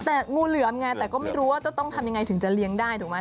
แต่งูเหลือมไงแต่ก็ไม่รู้ว่าจะต้องทำยังไงถึงจะเลี้ยงได้ถูกไหม